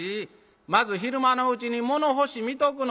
まず昼間のうちに物干し見とくの。